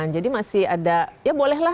jadi masih ada